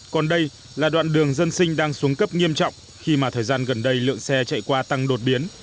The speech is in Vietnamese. còn đây là đoạn đường dân sinh đang xuống cấp nghiêm trọng khi mà thời gian gần đây lượng xe chạy qua tăng đột biến